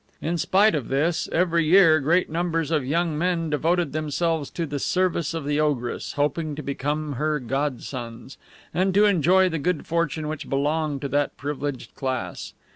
In spite of this, every year, great numbers of young men devoted themselves to the service of the ogress, hoping to become her godsons, and to enjoy the good fortune which belonged to that privileged class.